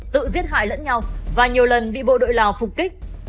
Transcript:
tự giết hại lẫn nhau và nhiều lần bị bộ đội lào phục kích